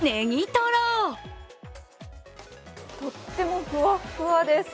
とってもふわっふわです。